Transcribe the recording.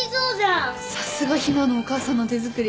さすが陽菜のお母さんの手作り。